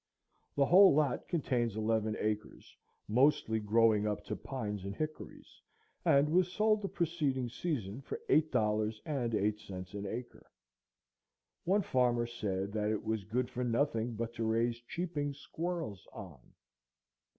The whole lot contains eleven acres, mostly growing up to pines and hickories, and was sold the preceding season for eight dollars and eight cents an acre. One farmer said that it was "good for nothing but to raise cheeping squirrels on."